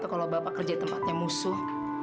kalau bapak kerja tempatnya musuh